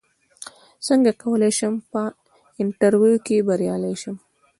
څنګه کولی شم په انټرویو کې بریالی شم